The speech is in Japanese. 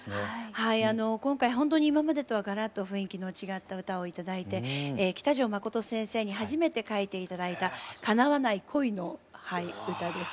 はいあの今回ほんとに今までとはガラッと雰囲気の違った歌を頂いて喜多條忠先生に初めて書いて頂いたかなわない恋の歌です。